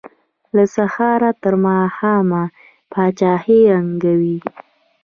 له سهاره تر ماښامه پاچاهۍ ړنګوي.